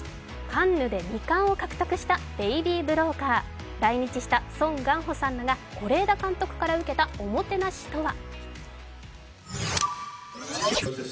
カンヌで２冠を獲得した「ベイビー・ブローカー」来日したソン・ガンホさんらが是枝監督から受けたおもてなしとは？